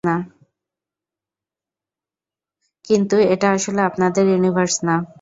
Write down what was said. কিন্তু এটা আসলে আপনাদের ইউনিভার্স না।